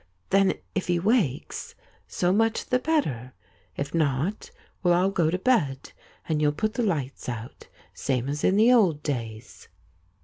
Then if he wakes, so much the better. If not, we'll all go to bed, and you'll put the lights out, same as in the old days.'